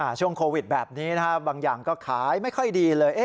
ช่วงโควิดแบบนี้นะฮะบางอย่างก็ขายไม่ค่อยดีเลย